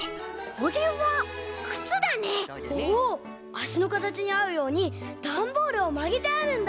あしのかたちにあうようにダンボールをまげてあるんだ。